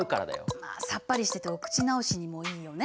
さっぱりしててお口直しにもいいよね。